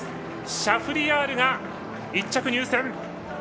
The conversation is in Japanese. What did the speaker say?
シャフリヤールが１着入線！